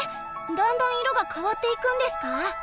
だんだん色が変わっていくんですか？